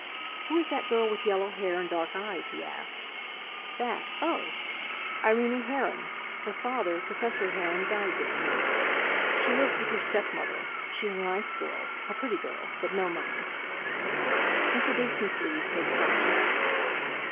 "Who is that girl with yellow hair and dark eyes?" he asked. "That—oh! Irene Heron. Her father, Professor Heron, died this year. She lives with her stepmother. She's a nice girl, a pretty girl, but no money!" "Introduce me, please," said Soames.